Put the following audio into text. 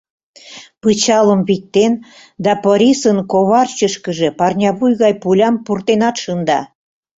Пычалым виктен да Порисын коварчышкыже парнявуй гай пулям пуртенат шында.